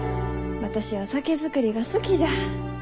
私は酒造りが好きじゃ。